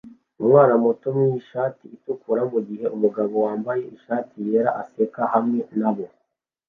umwana muto mwishati itukura mugihe umugabo wambaye ishati yera aseka hamwe nabo